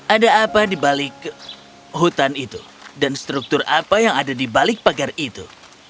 ada apa di balik hutan itu dan struktur apa yang ada di balik pagar itu